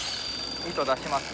糸出します。